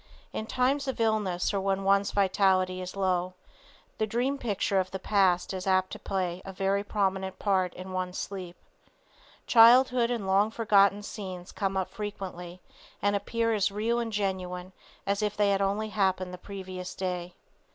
In time of illness or when one's vitality is low, the dream picture of the past is apt to play a very prominent part in one's sleep. Childhood and long forgotten scenes come up frequently and appear as real and genuine as if they had only happened the previous day.